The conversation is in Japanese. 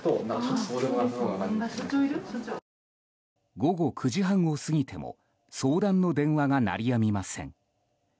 午後９時半を過ぎても相談の電話が鳴りやみません。